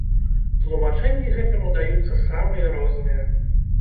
Тлумачэнні гэтаму даюцца самыя розныя.